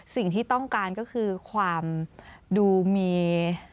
สิ่งที่ต้องการก็คือความดูมี